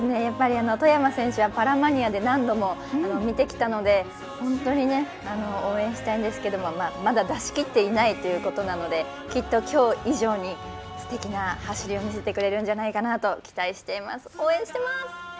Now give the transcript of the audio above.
外山選手は「パラマニア」で何度も見てきたので本当に、応援したいんですがまだ出しきっていないということなのできっときょう以上にすてきな走りを見せてくれるんじゃないかなと期待しています。